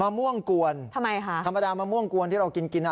ม่วงกวนทำไมคะธรรมดามะม่วงกวนที่เรากินกินอ่ะ